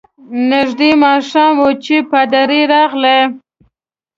نژدې ماښام وو چي پادري راغلی.